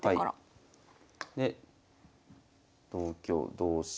で同香同飛車。